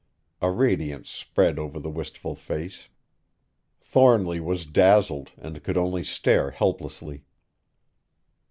A radiance spread over the wistful face. Thornly was dazzled and could only stare helplessly.